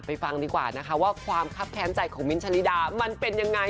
ฟังดีกว่านะคะว่าความคับแค้นใจของมิ้นทะลิดามันเป็นยังไง